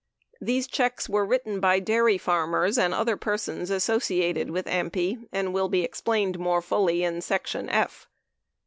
These checks were written by dairy farmers and other persons associated with AMPI, and will be explained more fully in Section F.